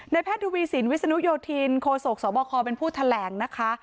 แพทย์ทวีสินวิศนุโยธินโคศกสบคเป็นผู้แถลงนะคะ